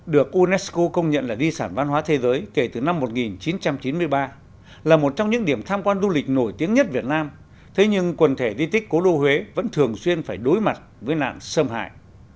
được unesco công nhận là di sản văn hóa thế giới kể từ năm một nghìn chín trăm chín mươi ba là một trong những điểm tham quan du lịch nổi tiếng nhất việt nam thế nhưng quần thể di tích cố đô huế vẫn thường xuyên phải đối mặt với nạn xâm hại